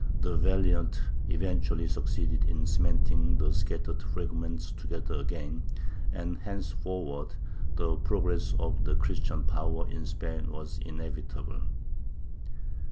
"the Valiant" eventually succeeded in cementing the scattered fragments together again, and henceforward the progress of the Christian power in Spain was inevitable.